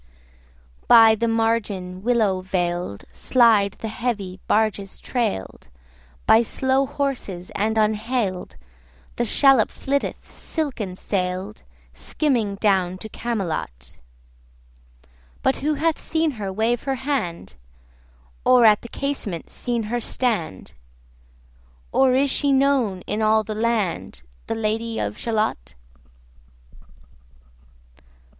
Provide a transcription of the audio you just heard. By the margin, willow veil'd, Slide the heavy barges trail'd 20 By slow horses; and unhail'd The shallop flitteth silken sail'd Skimming down to Camelot: But who hath seen her wave her hand? Or at the casement seen her stand? 25 Or is she known in all the land, The Lady of Shalott?